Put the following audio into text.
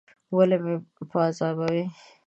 ولي مې په عذابوې ؟